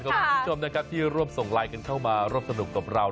ขอบคุณผู้ชมที่ร่วมส่งไลก์กันเข้ามาร่วมสนุกกับเรา